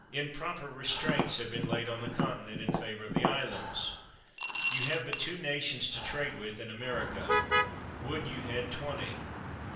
Improper restraints have been laid on the continent in favor of the islands. You have but two nations to trade with in America. Would you had twenty